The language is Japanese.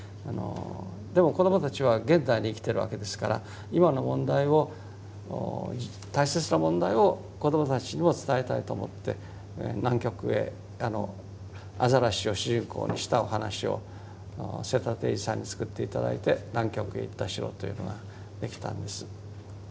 でも子どもたちは現代に生きてるわけですから今の問題を大切な問題を子どもたちにも伝えたいと思って南極へアザラシを主人公にしたお話を瀬田貞二さんに作って頂いて「なんきょくへいったしろ」というのができたんです。